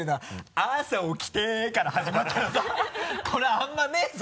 「朝起きて」から始まったらさこれあんまねぇぞ！